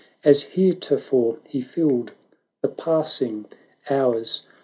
As heretofore he filled the passing hours.